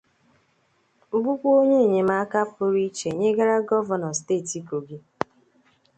bụkwa onye enyemaka pụrụ iche nyegara Gọvanọ steeti Kogi